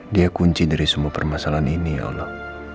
dia kunci dari semua permasalahan ini ya allah